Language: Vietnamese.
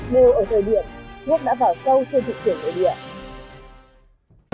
đều ở thời điểm thuốc đã vào sâu trên thị trường nội địa